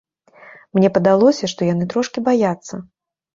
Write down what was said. Мне падалося, што яны трошкі баяцца.